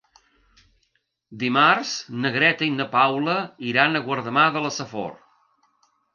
Dimarts na Greta i na Paula iran a Guardamar de la Safor.